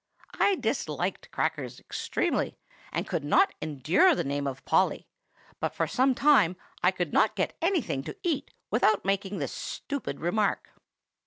I disliked crackers extremely, and could not endure the name of Polly; but for some time I could not get anything to eat without making this stupid remark.